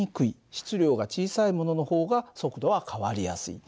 質量が小さいものの方が速度は変わりやすい。